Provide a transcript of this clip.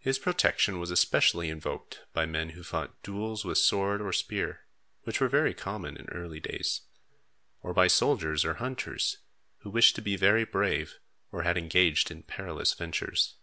His protection was especially invoked by men who fought duels with sword or spear, which were very common in early days; or by soldiers or hunters, who wished to be very brave, or had engaged in perilous ventures.